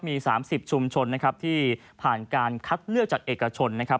มี๓๐ชุมชนนะครับที่ผ่านการคัดเลือกจากเอกชนนะครับ